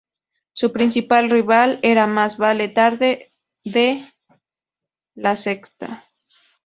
Su principal rival era Más vale tarde de laSexta.